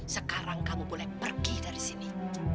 sekarang kamu boleh pergi dari sini